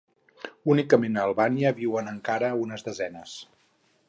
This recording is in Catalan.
Únicament a Albània viuen encara unes desenes.